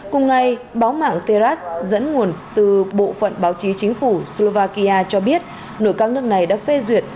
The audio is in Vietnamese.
cùng ngày báo mạng terras dẫn nguồn từ bộ phận báo chí chính phủ slovakia cho biết nội các nước này đã phê duyệt